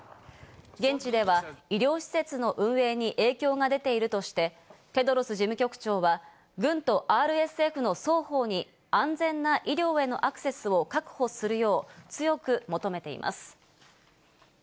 現地では医療施設の運営に影響が出ているとして、テドロス事務局長は軍とＲＳＦの双方に安全な医療へのアクセスを確保するよう強く求めています。